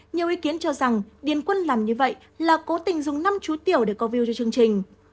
nhiều ý kiến cho rằng điền quân làm như vậy là cố tình dùng năm chú tiểu để câu view cho chương trình